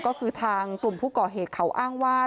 ก็คือทางกลุ่มผู้ก่อเหตุเขาอ้างว่า